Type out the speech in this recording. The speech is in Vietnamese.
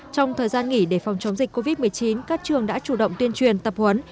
trong thời gian nghỉ để phòng chống dịch covid một mươi chín các trường đã chủ động tuyên truyền tập huấn